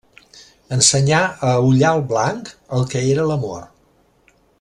Ensenyà a Ullal Blanc el que era l'amor.